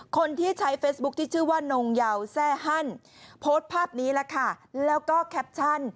คนที่ใช้เฟซบุ๊คที่ชื่อว่านงเยาแซ่ฮั่นโพสต์ภาพนี้แหละค่ะแล้วก็แคปชั่น